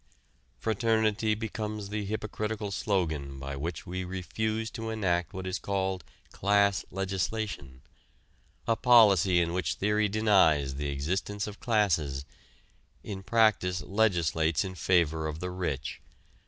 Fraternity becomes the hypocritical slogan by which we refuse to enact what is called "class legislation" a policy which in theory denies the existence of classes, in practice legislates in favor of the rich.